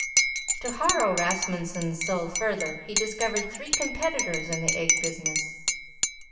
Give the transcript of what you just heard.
To harrow Rasmunsen's soul further, he discovered three competitors in the egg business.